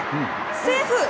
セーフ！